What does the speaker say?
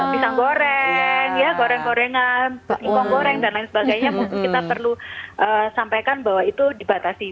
pisang goreng gorengan impong goreng dan lain sebagainya mungkin kita perlu sampaikan bahwa itu dibatasi